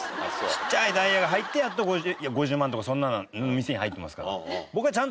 ちっちゃいダイヤが入ってやっと５０万とかそんな店に入ってますから。